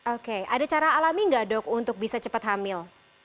oke ada cara alami nggak dok untuk bisa cepat hamil